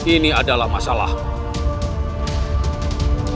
ini adalah masalahmu